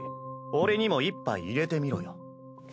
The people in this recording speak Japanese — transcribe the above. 俺にも１杯いれてみろよ。